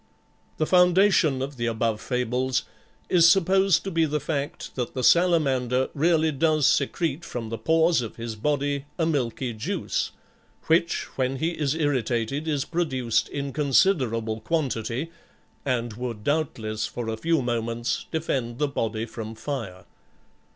The foundation of the above fables is supposed to be the fact that the salamander really does secrete from the pores of his body a milky juice, which when he is irritated is produced in considerable quantity, and would doubtless, for a few moments, defend the body from fire.